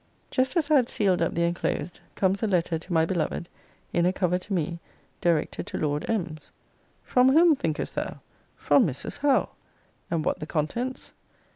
Just as I had sealed up the enclosed, comes a letter to my beloved, in a cover to me, directed to Lord M.'s. From whom, thinkest thou? From Mrs. Howe! And what the contents?